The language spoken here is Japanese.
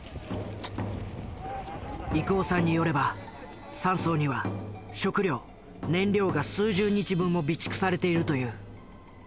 郁男さんによれば山荘には食料燃料が数十日分も備蓄されているという。